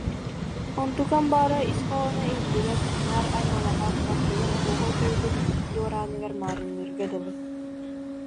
Онтукам баара, ис хоһооно иһиллибэт, наар аймалаһар, ардыгар оһуохай тойугун дуорааныгар маарынныырга дылы